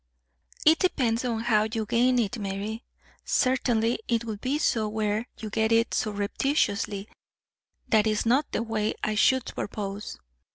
"It depends how you gain it, Mary. Certainly it would be so were you to get it surreptitiously. That is not the way I should propose.